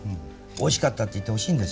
「おいしかった」って言ってほしいんですよ。